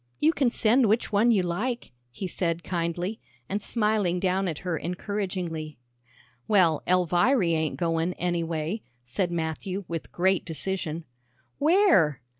"You can send which one you like," he said kindly, and smiling down at her encouragingly. "Well, Elviry ain't goin', anyway," said Matthew, with great decision. "Where?"